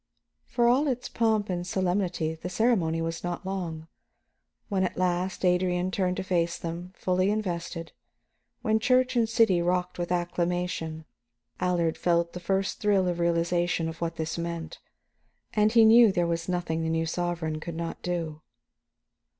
For all its pomp and solemnity, the ceremony was not long. When at last Adrian turned to face them, fully invested, when church and city rocked with acclamation, Allard felt the first thrill of realization of what this meant. And he knew there was nothing the new sovereign could not do.